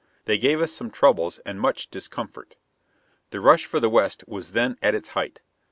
They gave us some troubles, and much discomfort. The rush for the West was then at its height.